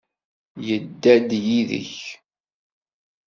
Yedda-d yid-k?